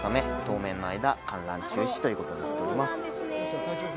「当面の間観覧中止」ということになっております